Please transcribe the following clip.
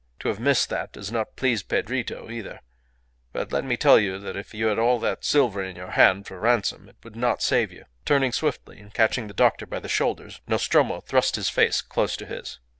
To have missed that does not please Pedrito either; but let me tell you that if you had all that silver in your hand for ransom it would not save you." Turning swiftly, and catching the doctor by the shoulders, Nostromo thrust his face close to his.